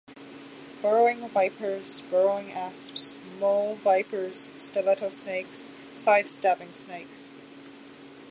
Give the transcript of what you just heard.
Burrowing vipers, burrowing asps, mole vipers, stiletto snakes, side-stabbing snakes.